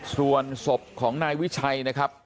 ส่วนศพของนายวิชัยนะครับ